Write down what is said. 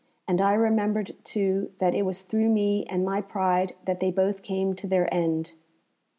And I remembered, too, that it was through me and my pride that they both came to their end."